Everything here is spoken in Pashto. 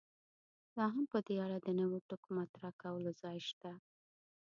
لا هم په دې اړه د نویو ټکو مطرح کولو ځای شته.